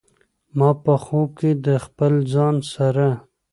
ما په خوب کې د خپل ځان سره